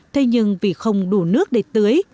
thế nhưng vì không đủ nước để tưới